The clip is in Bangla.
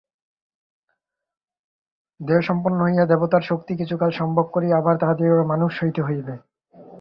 দেবদেহসম্পন্ন হইয়া দেবতাদের শক্তি কিছুকাল সম্ভোগ করিয়া আবার তাহাদিগকে মানুষ হইতে হইবে।